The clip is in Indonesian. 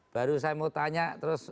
baru saya mau tanya terus